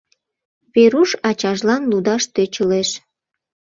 Веруш ачажлан лудаш тӧчылеш.